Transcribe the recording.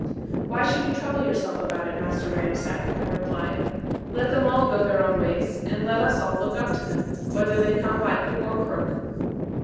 'Why should you trouble yourself about it, Master Ramsack?' I replied: 'let them all go their own ways: and let us all look up to them, whether they come by hook or crook.'